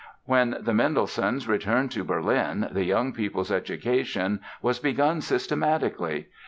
When the Mendelssohns returned to Berlin the young people's education was begun systematically.